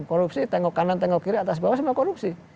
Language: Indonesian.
korupsi tengok kanan tengok kiri atas bawah semua korupsi